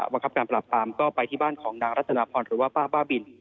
บังคับการปราบปรามก็ไปที่บ้านของนางรัตนาพรหรือว่าป้าบ้าบิน